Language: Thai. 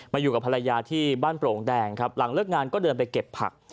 อยู่กับภรรยาที่บ้านโปร่งแดงครับหลังเลิกงานก็เดินไปเก็บผัก